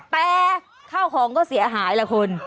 แต่ข้าวของก็เสียหายล่ะคุณ